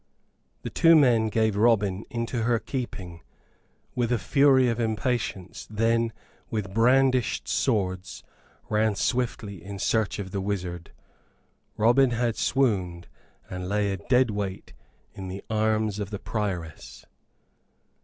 ] The two men gave Robin into her keeping, with a fury of impatience; then, with brandished swords, ran swiftly in search of the wizard. Robin had swooned, and lay a dead weight in the arms of the Prioress.